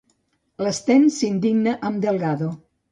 L'Sten s'indigna amb Delgado.